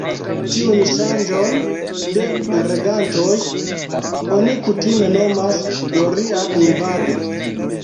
Tiun ŝanĝon de regantoj oni kutime nomas «doria invado».